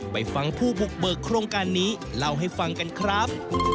ไปฟังผู้บุกเบิกโครงการนี้เล่าให้ฟังกันครับ